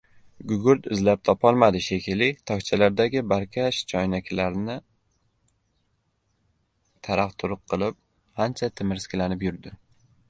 Gugurt izlab topolmadi shekilli, tokchalardagi barkash-choynaklami taraq-tumq qilib ancha timirskilanib yurdi.